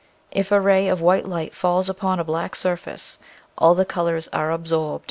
If a ray of white light falls upon a black surface all the colors are absorbed and , i